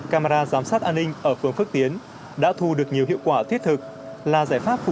camera giám sát an ninh ở phường phước tiến đã thu được nhiều hiệu quả thiết thực là giải pháp